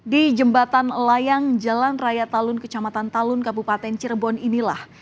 di jembatan layang jalan raya talun kecamatan talun kabupaten cirebon inilah